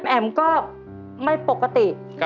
แอ๋มก็ไม่ปกติ